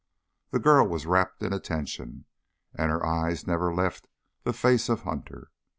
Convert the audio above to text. The girl was rapt in attention, and her eyes never left the face of Hunter.